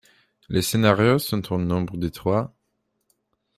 Les scénarios sont au nombre de trois.